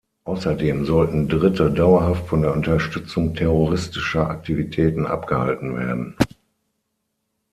Außerdem sollten Dritte dauerhaft von der Unterstützung terroristischer Aktivitäten abgehalten werden.